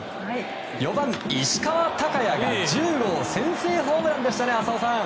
４番、石川昂弥が１０号先制ホームランでしたね浅尾さん！